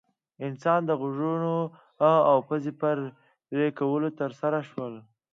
انسان د غوږونو او پزې پرې کول ترسره شول.